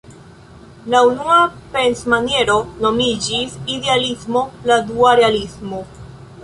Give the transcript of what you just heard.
La unua pensmaniero nomiĝis "Idealismo", la dua "Realismo".